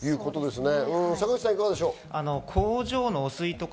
坂口さん、いかがでしょう。